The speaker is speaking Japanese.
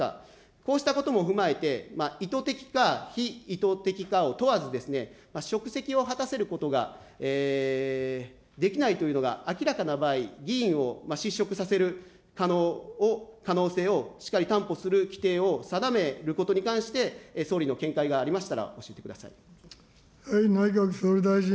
こうしたことも踏まえて、意図的か、非意図的かを問わず、職責を果たせることができないというのが明らかな場合、議員を失職させる可能性をしっかり担保する規定を定めることに関して、総理の見解がありましたら教えてください。